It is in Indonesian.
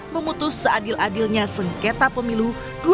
memutus seadil adilnya sengketa pemilu dua ribu dua puluh empat